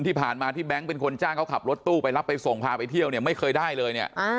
ที่ผ่านมาที่แบงค์เป็นคนจ้างเขาขับรถตู้ไปรับไปส่งพาไปเที่ยวเนี่ยไม่เคยได้เลยเนี่ย